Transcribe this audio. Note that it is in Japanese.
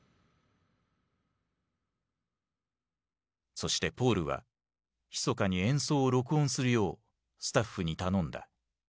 そしてポールはひそかに演奏を録音するようスタッフに頼んだ。